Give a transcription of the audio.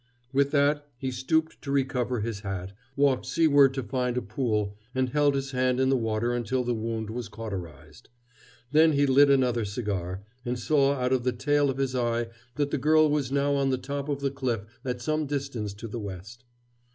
With that he stooped to recover his hat, walked seaward to find a pool, and held his hand in the water until the wound was cauterized. Then he lit another cigar, and saw out of the tail of his eye that the girl was now on the top of the cliff at some distance to the west.